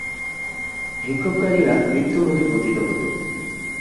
বিক্ষোভকারীরা মৃত্যুমুখে পতিত হতো।